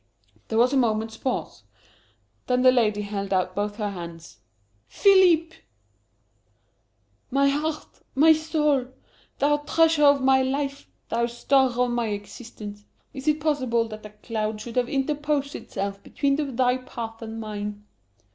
There was a momentary pause. Then the lady held out both her hands. "Philippe!" "My heart! my soul! thou treasure of my life! thou star of my existence! Is it possible that a cloud should have interposed itself between thy path and mine?"